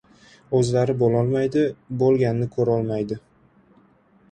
O‘zlari bo‘lolmaydi, bo‘lganni ko‘rolmaydi!